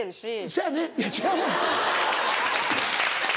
そやねいや違うねん。